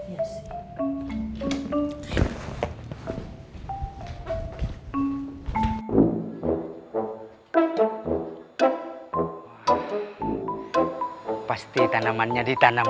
repot kalau emak tau belakangan